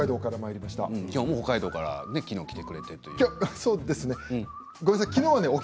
北海道から昨日、来てくれて。